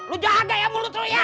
lu jaga ya mulut lu ya